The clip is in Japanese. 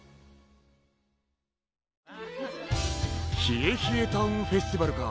ひえひえタウンフェスティバルか。